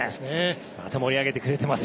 また盛り上げてくれています。